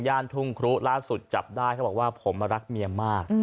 ทุ่งครุล่าสุดจับได้เขาบอกว่าผมรักเมียมาก